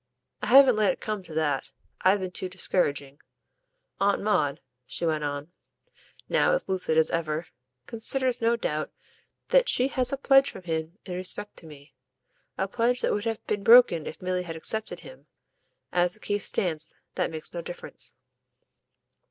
"I haven't let it come to that. I've been too discouraging. Aunt Maud," she went on now as lucid as ever "considers, no doubt, that she has a pledge from him in respect to me; a pledge that would have been broken if Milly had accepted him. As the case stands that makes no difference."